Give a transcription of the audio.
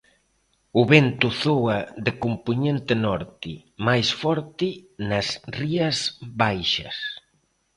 O vento zoa de compoñente norte, máis forte nas Rías Baixas.